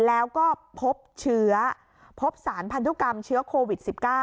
แล้วก็พบเชื้อพบสารพันธุกรรมเชื้อโควิด๑๙